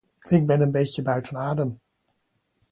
Ik ben een beetje buiten adem.